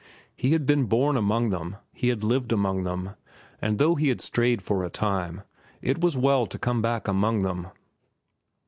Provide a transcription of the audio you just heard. He had been born among them, he had lived among them, and though he had strayed for a time, it was well to come back among them.